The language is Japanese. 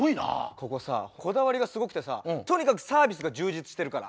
ここさこだわりがすごくてさとにかくサービスが充実してるから。